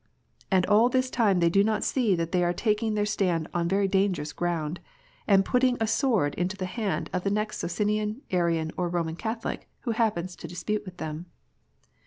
And all this time they do not see that they are taking their stand on very dangerous ground, and putting a sword into the hand of the next Socinian, Arian, or Roman Catholic who happens to dispute with them.